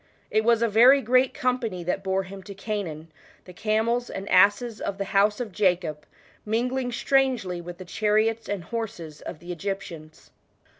It was a very great company that bore him to Canaan ; the camels and asses of the house of Jacob, mingling strangely with the chariots and horses of the Egyptians.